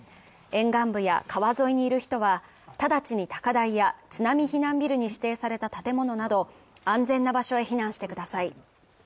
沿岸部や川沿いにいる人は直ちに高台や津波避難ビルに指定された建物など安全な場所へ避難してください。